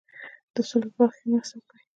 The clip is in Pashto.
د سولي په برخه کې مرسته وکړي.